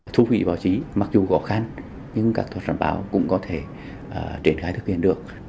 thu vị báo chí mặc dù khó khăn nhưng các thuật dân báo cũng có thể triển khai thực hiện được